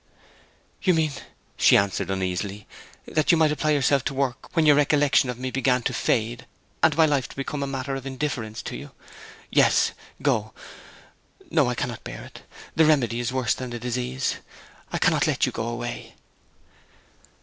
'You mean,' she answered uneasily, 'that you might apply yourself to work when your recollection of me began to fade, and my life to become a matter of indifference to you? .. Yes, go! No, I cannot bear it! The remedy is worse than the disease. I cannot let you go away!'